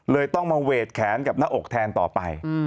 ต้องมาเวทแขนกับหน้าอกแทนต่อไป